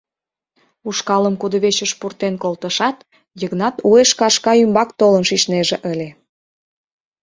Ушкалым кудывечыш пуртен колтышат, Йыгнат уэш кашка ӱмбак толын шичнеже ыле.